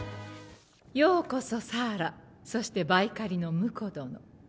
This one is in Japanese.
ようこそサーラ、そしてバイカリの婿殿。